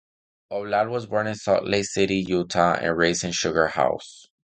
Oblad was born in Salt Lake City, Utah and raised in Sugar House.